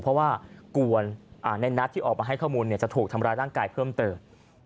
เพราะว่ากลัวในนัดที่ออกมาให้ข้อมูลจะถูกทำร้ายร่างกายเพิ่มเติม